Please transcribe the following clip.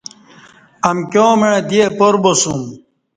امکیامع دی اپار باسوم